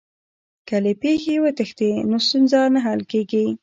که له پېښي وتښتې نو ستونزه نه حل کېږي.